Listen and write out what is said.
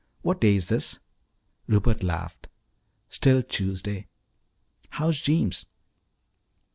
"What day is this?" Rupert laughed. "Still Tuesday." "How's Jeems?"